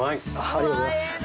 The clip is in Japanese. ありがとうございます。